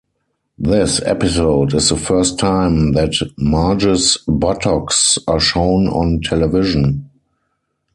This episode is the first time that Marge's buttocks are shown on television.